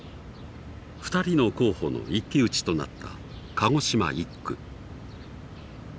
２人の候補の一騎打ちとなった鹿児島１区。